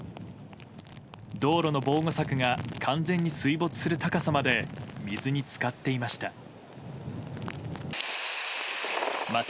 道路の防護柵が完全に水没する高さまで水に浸かっていました。